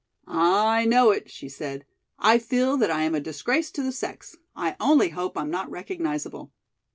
"I know it," she said. "I feel that I am a disgrace to the sex. I only hope I'm not recognizable."